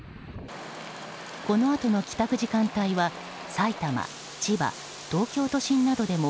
このあとの帰宅時間帯は埼玉、千葉、東京都心などでも